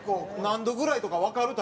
何度ぐらいとかわかる？